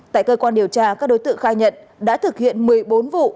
tại cơ quan điều tra các đối tượng khai nhận đã thực hiện một mươi bốn vụ